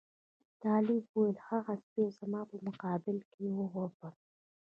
طالب وویل هغه سپي زما په مقابل کې وغپل.